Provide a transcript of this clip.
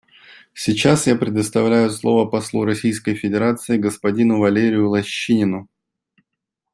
Сейчас я предоставляю слово послу Российской Федерации господину Валерию Лощинину.